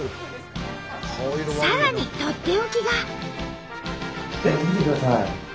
さらにとっておきが。